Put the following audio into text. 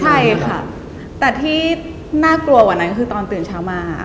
ใช่ค่ะแต่ที่น่ากลัวกว่านั้นก็คือตอนตื่นเช้ามา